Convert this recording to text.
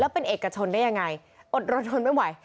เป็นเอกชนได้ยังไงอดรนทนไม่ไหว